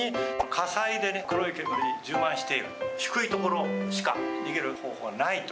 火災でね、黒い煙充満している、低い所しか逃げる方法がないと。